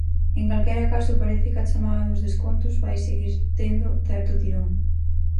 En calquera caso parece que a chamada dos descontos vai seguir tendo certo tirón.